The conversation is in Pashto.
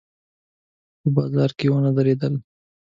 په بازار کې ونه درېدلو.